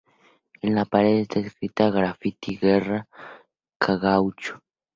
En la pared está escrito el grafiti ""Guerra Gaucha"".